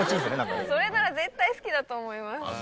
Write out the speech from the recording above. それなら絶対好きだと思います。